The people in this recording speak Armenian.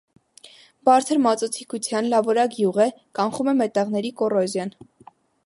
Բարձր մածուցիկության, լավորակ յուղ է, կանխում է մետաղների կոռոզիան։